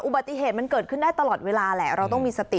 อุบัติเหตุมันเกิดขึ้นได้ตลอดเวลาแหละเราต้องมีสติ